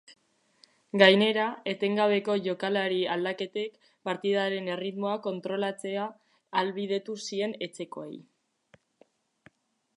Gainera, etengabeko jokalari aldaketek partidaren erritmoa kontrolatzea ahalbidetu zien etxekoei.